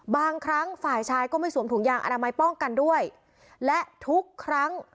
บางครั้งฝ่ายชายก็ไม่สวมถุงยางอนามัยป้องกันด้วยและทุกครั้ง